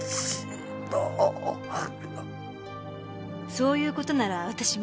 そういう事なら私も。